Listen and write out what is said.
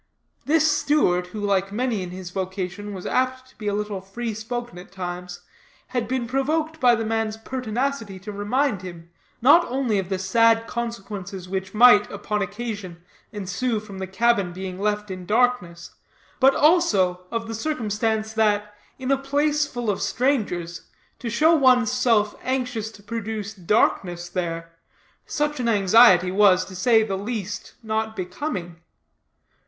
This steward, who, like many in his vocation, was apt to be a little free spoken at times, had been provoked by the man's pertinacity to remind him, not only of the sad consequences which might, upon occasion, ensue from the cabin being left in darkness, but, also, of the circumstance that, in a place full of strangers, to show one's self anxious to produce darkness there, such an anxiety was, to say the least, not becoming.